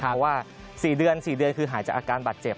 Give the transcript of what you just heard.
เพราะว่า๔เดือนคือหายจากอาการบัตรเจ็บ